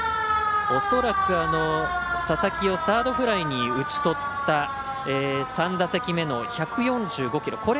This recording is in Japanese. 恐らく佐々木をサードフライに打ち取った３打席目の１４５キロ。